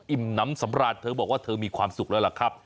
น้ำสำราญเธอบอกว่าเธอมีความสุขแล้วล่ะครับ